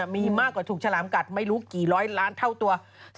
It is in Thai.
มีมากกว่าถูกฉลามกัดไม่รู้กี่ร้อยล้านเท่าตัว